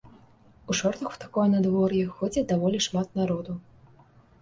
У шортах у такое надвор'е ходзяць даволі шмат народу.